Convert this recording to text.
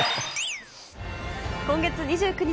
今月２９日